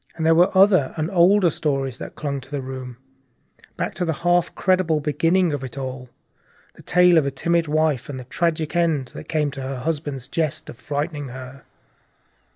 There were other and older stories that clung to the room, back to the half incredible beginning of it all, the tale of a timid wife and the tragic end that came to her husband's jest of frightening her.